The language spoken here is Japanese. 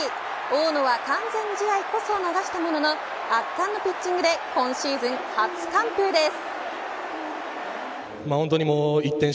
大野は完全試合こそ逃したものの圧巻のピッチングで今シーズン初完封です。